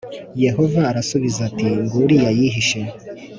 Yehova arasubiza ati nguriya yihishe.